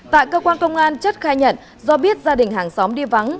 tại cơ quan công an chất khai nhận do biết gia đình hàng xóm đi vắng